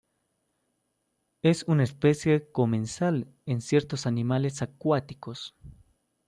Es una especie comensal en ciertos animales acuáticos.